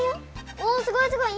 おすごいすごい！